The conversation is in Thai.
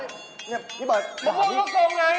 เฮียเ฻ริเบิญกายนี่หน่าะมะม่วงศูกร์ทรงน่ะอีก